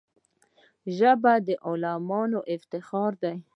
ژبه د عالمانو افتخار دی